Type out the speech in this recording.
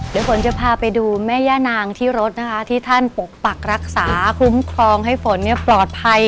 เดี๋ยวฝนจะพาไปดูแม่ย่านางที่รถนะคะที่ท่านปกปักรักษาคุ้มครองให้ฝนปลอดภัย